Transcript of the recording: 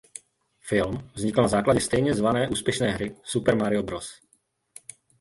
Film vznikl na základě stejně zvané úspěšné hry Super Mario Bros.